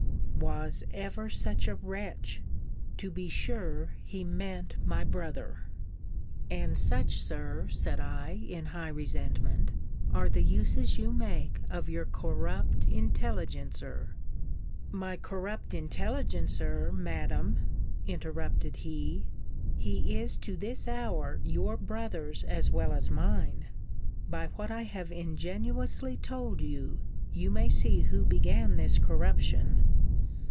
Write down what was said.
Was ever such a wretch! To be sure he meant my brother! And such, Sir, said I, in high resentment, are the uses you make of your corrupt intelligencer My corrupt intelligencer, Madam! interrupted he, He is to this hour your brother's as well as mine. By what I have ingenuously told you, you may see who began this corruption.